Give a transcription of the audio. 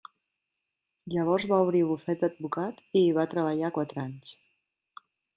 Llavors va obrir bufet d'advocat i hi va treballar quatre anys.